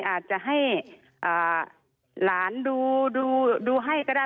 อาจจะให้หลานดูให้ก็ได้